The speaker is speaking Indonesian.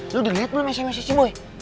lo udah liat belum smsnya si boy